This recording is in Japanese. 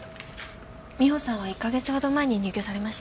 美帆さんは１か月ほど前に入居されました。